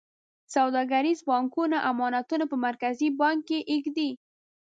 سوداګریز بانکونه امانتونه په مرکزي بانک کې ږدي.